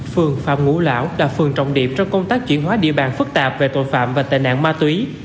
phường phạm ngũ lão là phường trọng điểm trong công tác chuyển hóa địa bàn phức tạp về tội phạm và tệ nạn ma túy